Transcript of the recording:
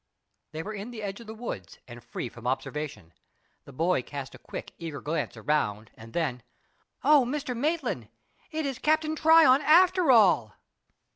They were in the edge of the wood, and free from observation. The boy cast a quick, eager glance around and then "Oh, Mr. Maitland! It is Cap'n Tryon after all!"